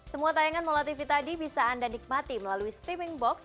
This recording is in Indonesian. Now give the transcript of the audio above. semua tayangan mola tv tadi bisa anda nikmati melalui streaming box